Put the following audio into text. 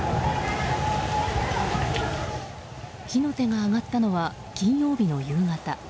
火の手が上がったのは金曜日の夕方。